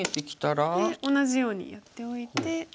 で同じようにやっておいて。